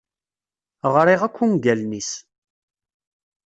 Ɣriɣ akk ungalen-is.